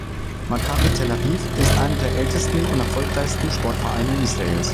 Maccabi Tel Aviv ist einer der ältesten und erfolgreichsten Sportvereine Israels.